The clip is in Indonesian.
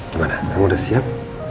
gimana kamu udah siap